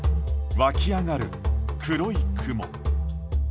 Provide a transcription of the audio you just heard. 湧き上がる黒い雲。